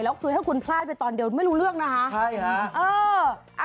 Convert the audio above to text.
แล้วคือถ้าคุณพลาดไปตอนเดียวไม่รู้เรื่องนะคะ